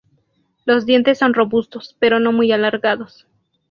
Los dientes son robustos, pero no muy alargados.